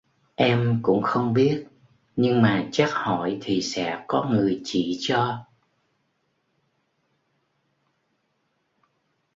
Em cũng không biết nhưng mà chắc hỏi thì sẽ có người chỉ cho